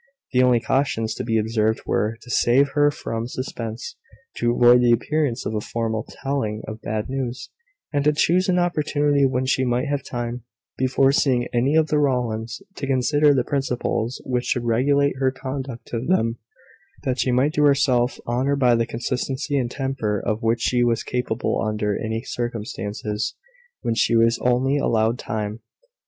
The only cautions to be observed were, to save her from suspense, to avoid the appearance of a formal telling of bad news, and to choose an opportunity when she might have time, before seeing any of the Rowlands, to consider the principles which should regulate her conduct to them, that she might do herself honour by the consistency and temper, of which she was capable under any circumstances, when she was only allowed time.